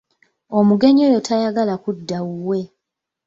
Omugenyi oyo tayagala kudda wuwe.